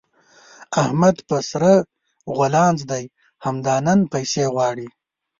احمد په سره غولانځ دی؛ همدا نن پيسې غواړي.